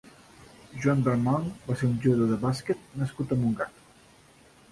Joan Dalmau va ser un jugador de bàsquet nascut a Montgat.